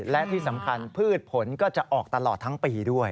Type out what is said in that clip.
และที่สำคัญพืชผลก็จะออกตลอดทั้งปีด้วย